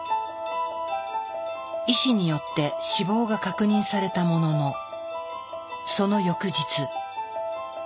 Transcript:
医師によって死亡が確認されたもののその翌日。